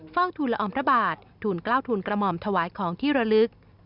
เฝ้าทุลออมพระบาททุนเกล้าทุนกระหม่อมถวายของที่ระลึก